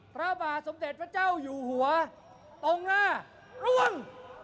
พระบาทสมเด็จพระเจ้าอยู่หัวตรงหน้าร่วง